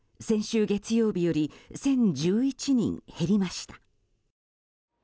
先週月曜日より１０１１人減りました。